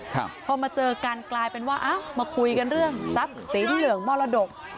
พอมาเจอกันกลายเป็นว่าอ้าวมาคุยกันเรื่องทรัพย์สีเหลืองมรดก